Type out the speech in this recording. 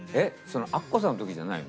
アッコさんの時じゃないよね？